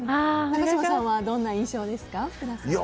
高嶋さんはどんな印象ですか？